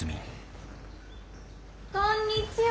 こんにちは！